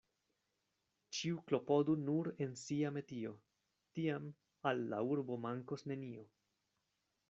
Ĉiu klopodu nur en sia metio, tiam al la urbo mankos nenio.